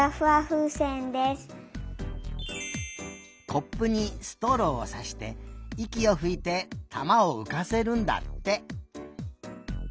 コップにストローをさしていきをふいて玉をうかせるんだって。